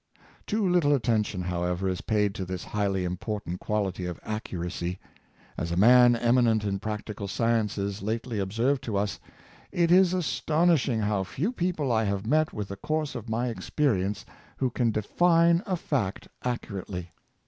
'' Too little attention, however, is paid to this highly important quality of accuracy. As a man eminent in practical sciences lately observed to us, " it is astonish ing how few people I have met with the course of my experience who can define a fact accurately.''